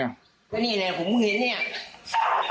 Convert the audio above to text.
นี่นี่ผมเห็นเนี่ย